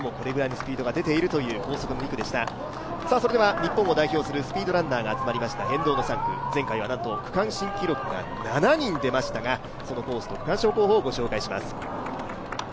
日本を代表するスピードランナーが集まりました変動の３区前回はなんと区間新記録が７人出ましたが、そのコースと区間賞候補をご紹介します。